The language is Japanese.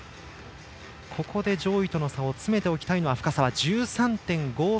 ここで上位との差を詰めておきたいのは深沢。１３．５３３。